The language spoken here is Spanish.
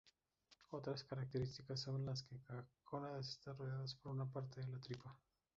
Otras características son que las gónadas están rodeados por una parte de la tripa.